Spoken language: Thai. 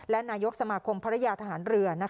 และนายกสมาคมภรรยาทหารเรือ